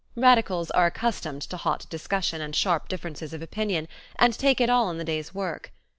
Radicals are accustomed to hot discussion and sharp differences of opinion and take it all in the day's work.